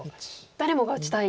誰もが打ちたい。